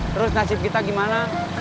terus nasib kita gimana